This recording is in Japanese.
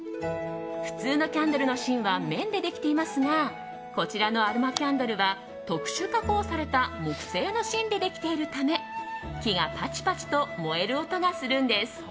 普通のキャンドルの芯は綿でできていますがこちらのアロマキャンドルは特殊加工された木製の芯でできているため木がパチパチと燃える音がするんです。